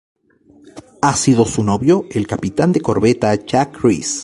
Ha sido su novio, el capitán de corbeta Jack Reese.